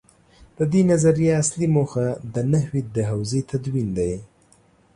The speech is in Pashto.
د دې نظریې اصلي موخه د نحوې د حوزې تدوین دی.